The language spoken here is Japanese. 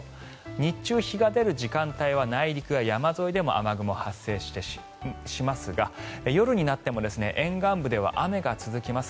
日中、日が出る時間帯は内陸や山沿いでも雨雲、発生しますが夜になっても沿岸部では雨が続きます。